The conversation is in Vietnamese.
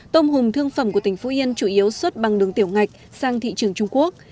tôm hùm thương phẩm của tỉnh phú yên chủ yếu xuất bằng đường tiểu ngạch sang thị trường trung quốc